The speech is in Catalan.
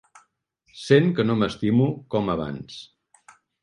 Sent que no m'estimo com abans.